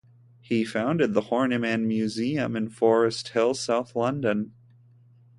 He founded the Horniman Museum in Forest Hill, south London.